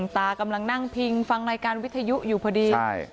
ตากำลังนั่งพิงฟังรายการวิทยุอยู่พอดีใช่